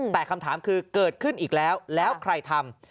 แต่คำถามคือเกิดขึ้นอีกแล้วแล้วใครทำ